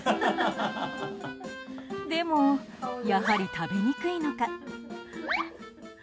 でも、やはり食べにくいのか。